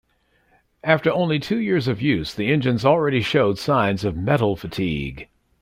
After only two years of use, the engines already showed signs of metal fatigue.